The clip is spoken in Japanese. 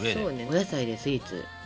そうねお野菜でスイーツ。